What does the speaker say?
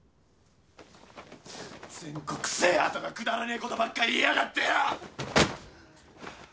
全国制覇とかくだらねえことばっか言いやがってよ！